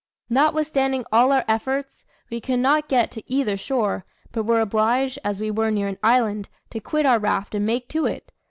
Notwithstanding all our efforts, we could not get to either shore, but were obliged, as we were near an island, to quit our raft and make to it.